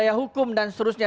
soal hukum dan seterusnya